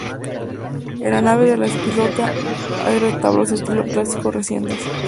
En la nave de la epístola hay retablos de estilo clásico recientes.